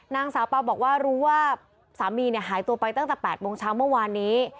นางสาวเปล่าบอกว่ารู้ว่าสามีหายตัวไปตั้งแต่๘โมงเช้าเมื่อวานนี้